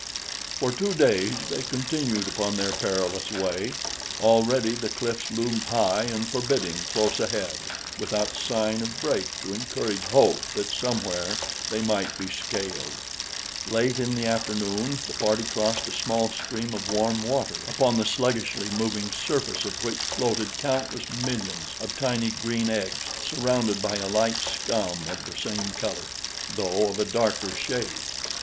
For two days they continued upon their perilous way. Already the cliffs loomed high and forbidding close ahead without sign of break to encourage hope that somewhere they might be scaled. Late in the afternoon the party crossed a small stream of warm water upon the sluggishly moving surface of which floated countless millions of tiny green eggs surrounded by a light scum of the same color, though of a darker shade.